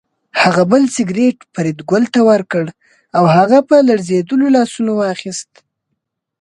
هغه بل سګرټ فریدګل ته ورکړ او هغه په لړزېدلو لاسونو واخیست